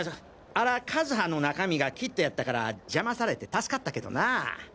あら和葉の中身がキッドやったから邪魔されて助かったけどなぁ。